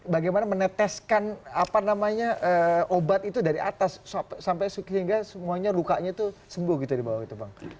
bagaimana meneteskan apa namanya obat itu dari atas sampai sehingga semuanya rukanya tuh sembuh gitu di bawah itu bang